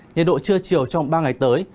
nhiệt độ chưa chiều trong ba ngày tới